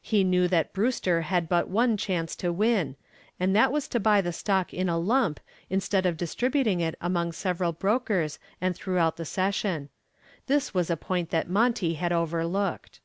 He knew that Brewster had but one chance to win, and that was to buy the stock in a lump instead of distributing it among several brokers and throughout the session. This was a point that Monty had overlooked.